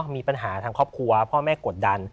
มีปัญหาทางครอบครัวพ่อแม่กดดัน